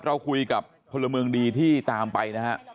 เราคุยกับพลเมืองดีที่ตามไปนะฮะ